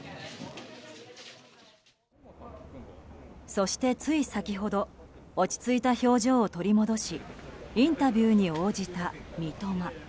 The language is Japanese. そして、つい先ほど落ち着いた表情を取り戻しインタビューに応じた三笘。